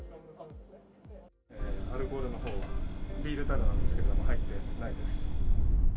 アルコールのほうは、ビールたるなんですけど、入ってないです。